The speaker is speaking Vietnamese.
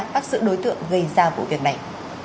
bác sĩ đối tượng gây ra vụ việc này